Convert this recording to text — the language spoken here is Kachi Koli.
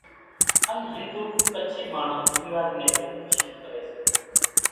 ان ھنڌو ڪڇي ماڻۿان ۮيواري ني ۮي خوشيون ڪري سي